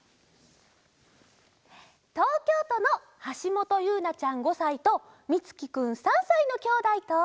とうきょうとのはしもとゆうなちゃん５さいとみつきくん３さいのきょうだいと。